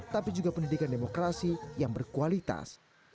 tapi juga pendidikan demokrasi yang berkualitas